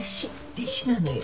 弟子なのよ。